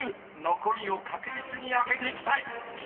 残りを確実に開けていきたい］